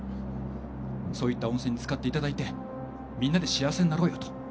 そういった温泉に浸かっていただいてみんなで幸せになろうよと。